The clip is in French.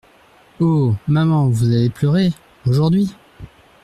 Oh ! maman, vous allez pleurer… aujourd’hui !